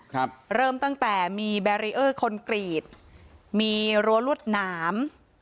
เริ่มตั้งแต่มีแบรีเออร์คอนกรีตมีรั้วรวดหนาม